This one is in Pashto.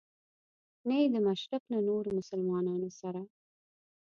نه یې د مشرق له نورو مسلمانانو سره.